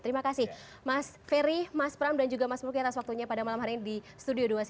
terima kasih mas ferry mas pram dan juga mas mulki atas waktunya pada malam hari ini di studio dua cnn